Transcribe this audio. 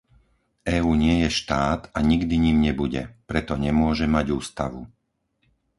EÚ nie je štát a nikdy ním nebude. Preto nemôže mať ústavu.